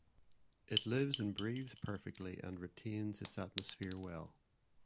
It lives and breathes perfectly and retains its atmosphere well.